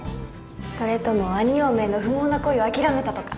それとも兄嫁への不毛な恋を諦めたとか？